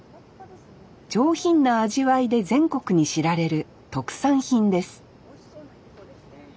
上品な味わいで全国に知られる特産品です